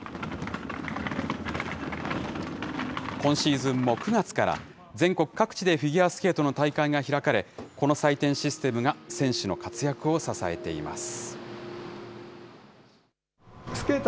今シーズンも９月から、全国各地でフィギュアスケートの大会が開かれ、この採点システムが選手の活躍を支えています。